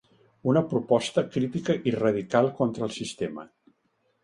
Una proposta crítica i radical contra el sistema.